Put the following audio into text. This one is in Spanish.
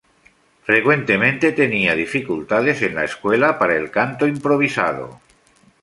Frecuentemente tenía dificultades en la escuela para el canto improvisado.